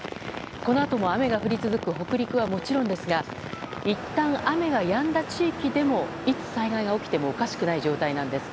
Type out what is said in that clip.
このあとも雨が降り続く北陸はもちろんですがいったん雨がやんだ地域でもいつ災害が起きてもおかしくない状態なんです。